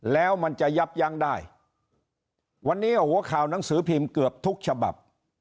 แล้วมันจะยับยั้งได้วันนี้หัวข่าวหนังสือพิมพ์เกือบทุกฉบับ